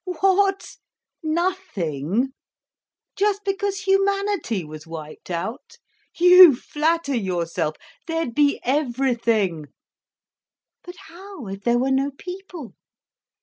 "What! Nothing? Just because humanity was wiped out? You flatter yourself. There'd be everything." "But how, if there were no people?"